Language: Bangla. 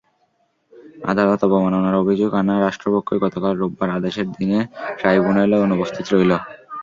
আদালত অবমাননার অভিযোগ আনা রাষ্ট্রপক্ষই গতকাল রোববার আদেশের দিনে ট্রাইব্যুনালে অনুপস্থিত রইল।